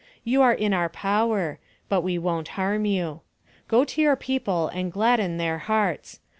You are in our power, but we won't harm you. Go to your people and gladden their hearts.